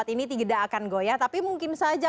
ini tidak akan goyah tapi mungkin saja